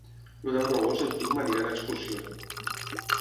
El deu d'agost en Quim anirà d'excursió.